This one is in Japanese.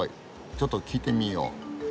ちょっと聞いてみよう。